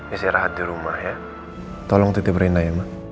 isi rahat di rumah ya tolong titip rena ya ma